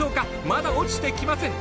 まだ落ちてきません。